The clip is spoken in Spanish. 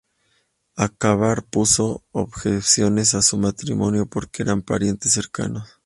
Akbar puso objeciones a su matrimonio porque eran parientes cercanos.